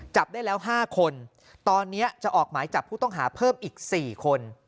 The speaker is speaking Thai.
จับได้แล้ว๕คนตอนนี้จะออกหมายจับผู้ต้องหาเพิ่มอีก๔คน